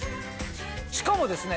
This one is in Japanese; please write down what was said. しかもですね